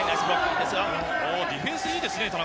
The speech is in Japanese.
ディフェンスいいですね、田中。